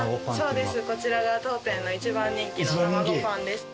そうですこちらが当店の一番人気のたまごパンです。